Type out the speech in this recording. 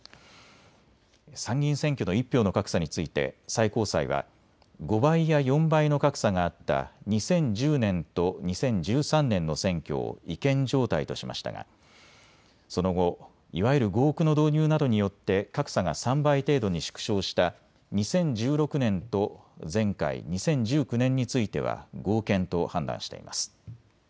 参議院選挙選挙の１票の格差について最高裁は５倍や４倍の格差があった２０１０年と２０１３年の選挙を違憲状態としましたがその後、いわゆる合区の導入などによって格差が３倍程度に縮小した２０１６年と前回、２０１９年については合憲と判断しています。